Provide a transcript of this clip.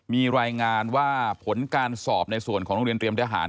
มีรายงานว่าผลการสอบในส่วนของโรงเรียนเตรียมทหาร